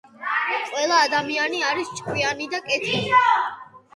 ყველა ადამიანი არის ჭკვიანი და კეთილი